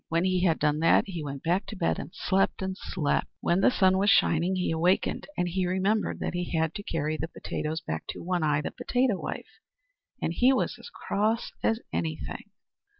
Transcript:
When he had done that he went back to bed, and slept, and slept. When the sun was shining he awakened, and he remembered that he had to carry the potatoes back to One Eye, the potato wife; and he was as cross as anything.